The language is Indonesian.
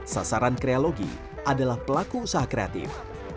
sasaran kreologi adalah pelaku usaha kreatif